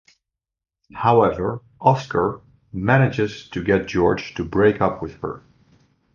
However, Oscar manages to get George to break up with her.